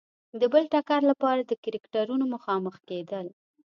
د بل ټکر لپاره د کرکټرونو مخامخ کېدل.